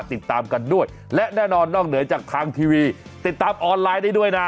ติดตามกันด้วยและแน่นอนนอกเหนือจากทางทีวีติดตามออนไลน์ได้ด้วยนะ